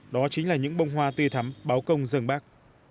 đó chính là những bông hoa tươi thắm báo công dân bác